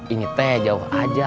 ingatnya jauh aja tuh